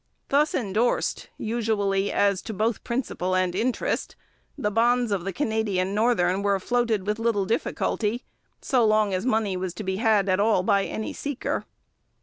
Thus endorsed, usually as to both principal and interest, the bonds of the Canadian Northern were floated with little difficulty, so long as money was to be had at all by any seeker.